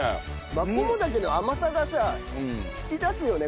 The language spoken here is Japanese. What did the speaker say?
マコモダケの甘さがさ引き立つよね